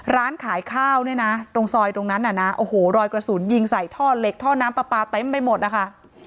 ร้านขายข้าวเนี่ยนะตรงซอยตรงนั้นน่ะนะโอ้โหรอยกระสุนยิงใส่ท่อเหล็กท่อน้ำปลาปลาเต็มไปหมดนะคะ